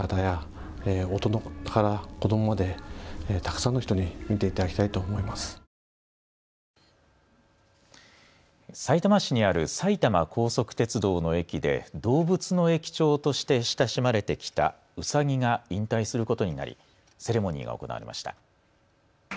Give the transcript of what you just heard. さいたま市にある埼玉高速鉄道の駅で動物の駅長として親しまれてきたうさぎが引退することになりセレモニーが行われました。